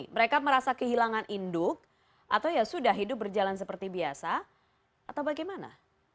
mereka merasa kehilangan induk atau ya sudah hidup berjalan seperti biasa atau bagaimana